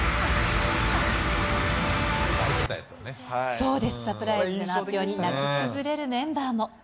そうです、サプライズでの発表に泣き崩れるメンバーも。